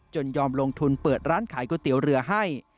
ยอมลงทุนเปิดร้านขายก๋วยเตี๋ยวเรือให้